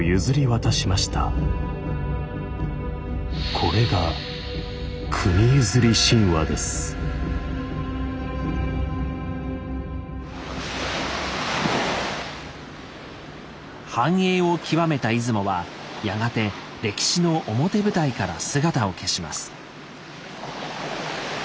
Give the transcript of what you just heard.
これが繁栄を極めた出雲はやがて歴史の表舞台から姿を消します。